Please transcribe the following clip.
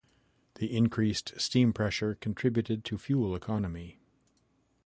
The increased steam pressure contributed to fuel economy.